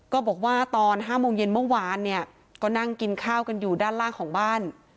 บอกว่าตอน๕โมงเย็นเมื่อวานเนี่ยก็นั่งกินข้าวกันอยู่ด้านล่างของบ้าน